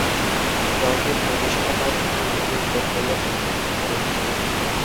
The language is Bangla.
দলটির প্রতিষ্ঠাকাল থেকেই এটি উত্তর কোরিয়ার শাসন ক্ষমতার অধিকারী।